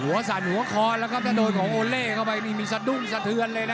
หัวสันหัวคอลครับครับแต่โดยของโอเล่เข้าไปมีสะดุ้งสะเทือนเลยนะ